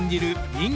人間